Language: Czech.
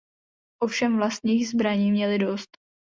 Ovšem vlastních zbraní měli dost.